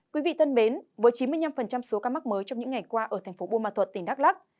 quý vị thân mến với chín mươi năm số ca mắc mới trong những ngày qua ở thành phố buôn ma thuật tỉnh đắk lắc